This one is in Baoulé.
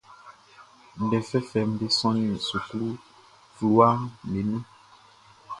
Ndɛ fɛfɛʼm be sɔnnin suklu fluwaʼm be nun.